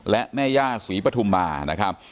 และแม่ย่าศรีปฐุมมานะครับ